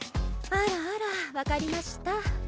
あらあら分かりました。